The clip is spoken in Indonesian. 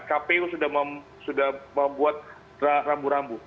kpu sudah membuat rambu rambu